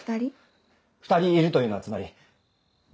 ２人いるというのはつまり。